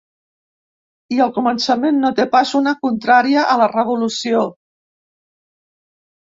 I al començament no té pas una contrària a la revolució.